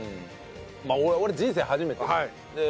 俺人生初めてで。